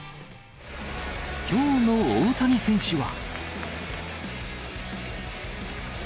きょうの大谷選手は。